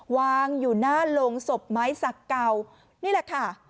วางอยู่หน้าโรงศพไม้สักเก่านี่แหละค่ะ